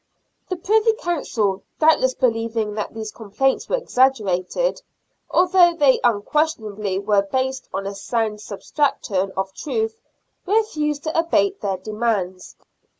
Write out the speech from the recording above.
The Privy Council, doubtless believing that these complaints were exaggerated — although they unquestionably were based on a sound substratum of truth — refused to abate their demands.